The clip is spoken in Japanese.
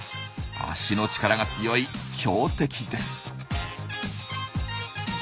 脚の力が強い強敵です。